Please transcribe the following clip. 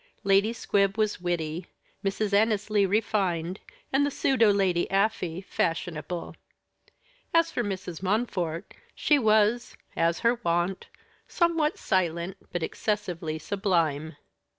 Lady Squib was witty, Mrs. Annesley refined, and the pseudo Lady Afy fashionable. As for Mrs. Montfort, she was, as her wont, somewhat silent but excessively sublime.